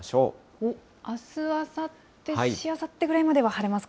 おっ、あす、あさって、しあさってぐらいまでは晴れますか。